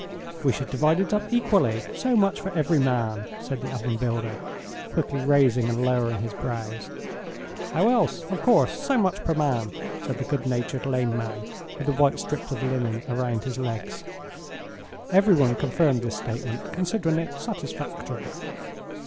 "We should divide it up equally, so much for every man," said the oven builder, quickly raising and lowering his brows. "How else? Of course, so much per man," said the good natured lame man with the white strips of linen round his legs. Every one confirmed this statement, considering it satisfactory.